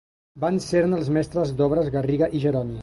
Van ser-ne els mestres d'obres Garriga i Jeroni.